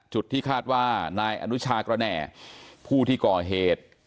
จุดที่คาดว่านายอนุชากระแหน่ผู้ที่ก่อเหตุ